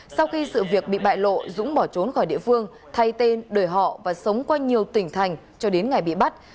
sau khi sự việc bị bại lộ dũng bỏ trốn khỏi địa phương thay tên đổi họ và sống qua nhiều tỉnh thành cho đến ngày bị bắt